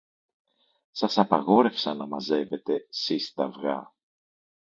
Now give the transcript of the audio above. Σας απαγόρευσα να μαζεύετε σεις τ' αυγά